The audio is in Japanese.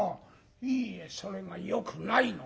「いいえそれがよくないの。